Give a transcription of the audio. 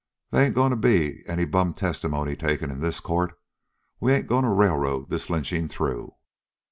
They ain't going to be any bum testimony taken in this court. We ain't going to railroad this lynching through."